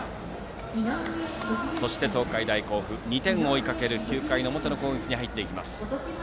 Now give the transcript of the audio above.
そして、東海大甲府２点を追いかける９回の表の攻撃に入ります。